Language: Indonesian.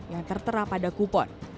yang tertera pada kupon